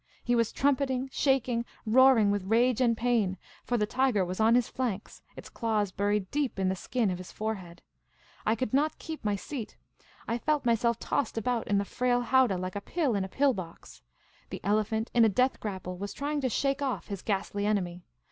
He was trumpeting, shaking, roaring with rage and pain, for the tiger was on his flanks, its claws buried deep in the skin of his forehead. I could not keep my seat ; I felt myself tossed about in the frail howdah like a pill in a pill box. The elephant, in a death grapple, was trying to shake off his ghastly enemy.